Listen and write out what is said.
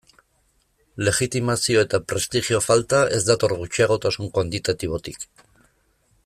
Legitimazio eta prestigio falta ez dator gutxiagotasun kuantitatibotik.